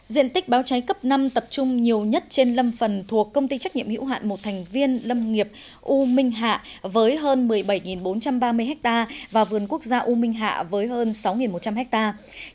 diện tích báo cháy cấp năm tập trung nhiều nhất trên lâm phần thuộc công ty trách nhiệm hữu hạn một thành viên lâm nghiệp u minh hạ với hơn một mươi bảy bốn trăm ba mươi hectare và vườn quốc gia u minh hạ với hơn sáu một trăm linh hectare